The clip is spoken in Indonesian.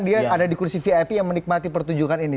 dia ada di kursi vip yang menikmati pertunjukan ini